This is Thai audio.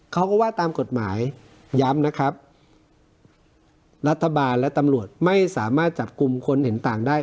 เขาก็ว่าตามกฎหมายย้ำนะครับรัฐบาลและตำรวจไม่สามารถจับกลุ่มคนเห็นต่างได้